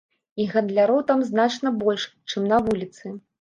І гандляроў там значна больш, чым на вуліцы.